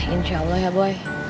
insya allah ya boy